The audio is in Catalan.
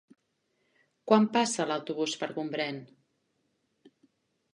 Quan passa l'autobús per Gombrèn?